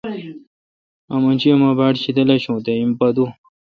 آمن شی اوما باڑ شیدل آشوں تے ہیم پا دوں